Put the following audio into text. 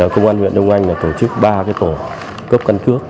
công an huyện đông anh tổ chức ba tổ cấp căn cứ